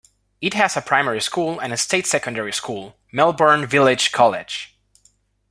It has a primary school and a state secondary school, Melbourn Village College.